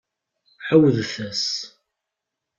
Ԑawdet-as!